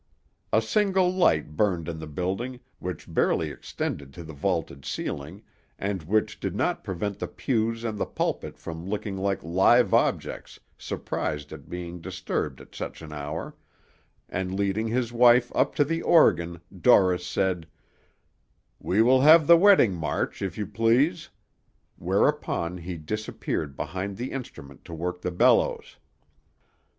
A single light burned in the building, which barely extended to the vaulted ceiling, and which did not prevent the pews and the pulpit from looking like live objects surprised at being disturbed at such an hour; and leading his wife up to the organ, Dorris said: "We will have the wedding march, if you please," whereupon he disappeared behind the instrument to work the bellows.